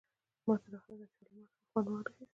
ما تر اخره د چا له مرګ څخه خوند ونه خیست